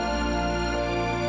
ya makasih ya